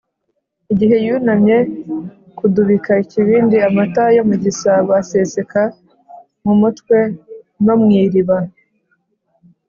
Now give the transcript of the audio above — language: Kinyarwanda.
igihe yunamye kudubika ikibindi, amata yo mu gisabo aseseka mu mutwe no mu iriba.